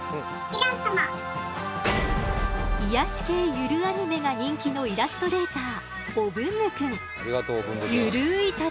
癒やし系ゆるアニメが人気のイラストレーターありがとうお文具くん。